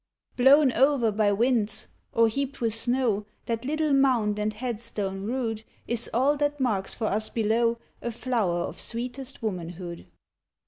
Blown o'er by winds or heaped with snow, That little mound and headstone rude Is all that marks for us below A flower of sweetest womanhood.